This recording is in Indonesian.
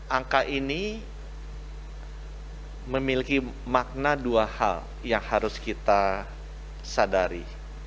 angka ini memiliki makna dua hal yang harus kita sadari